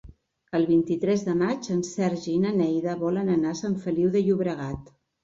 El vint-i-tres de maig en Sergi i na Neida volen anar a Sant Feliu de Llobregat.